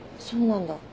そうなんだ。